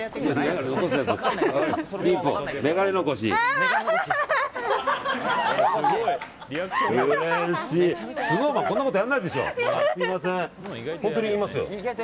ＳｎｏｗＭａｎこんなことやらないでしょ。